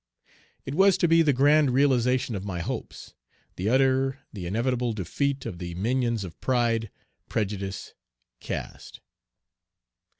It was to be the grand realization of my hopes, the utter, the inevitable defeat of the minions of pride, prejudice, caste.